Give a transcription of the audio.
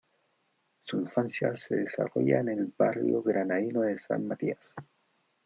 Su infancia se desarrolla en el barrio granadino de San Matías.